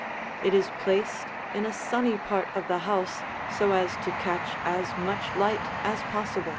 It is placed in a sunny part of the house so as to catch as much light as possible.